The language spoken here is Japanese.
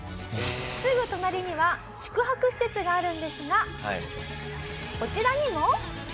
すぐ隣には宿泊施設があるんですがこちらにも。